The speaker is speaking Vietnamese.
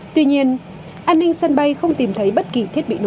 tuy nhiên an ninh sân bay không tìm thấy bất kỳ thiết bị nào